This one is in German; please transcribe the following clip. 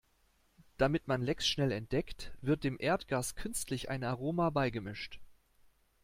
Damit man Lecks schnell entdeckt, wird dem Erdgas künstlich ein Aroma beigemischt.